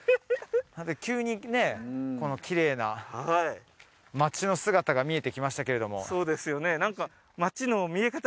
何か急にねこのきれいなはい街の姿が見えてきましたけれどもそうですよね